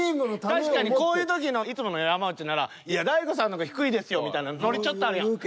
確かにこういう時のいつもの山内なら「いや大悟さんの方が低いですよ」みたいなノリちょっとあるやん。